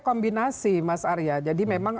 kombinasi mas arya jadi memang